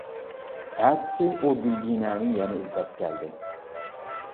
ئەتىسى ئۇ گۈلگىنەنى يەنە ئىزدەپ كەلدى.